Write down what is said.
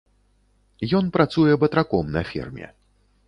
Ён працуе батраком на ферме.